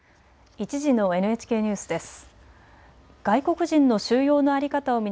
１時のＮＨＫニュースです。